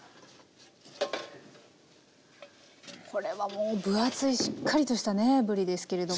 これはもう分厚いしっかりとしたねぶりですけれども。